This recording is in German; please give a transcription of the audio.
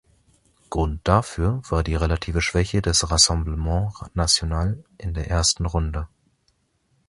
Grund dafür war die relative Schwäche des Rassemblement National in der ersten Runde.